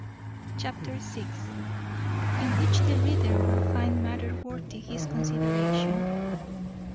Chapter vi. _In which the reader will find matter worthy his consideration.